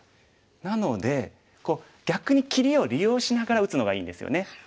なので逆に切りを利用しながら打つのがいいんですよね。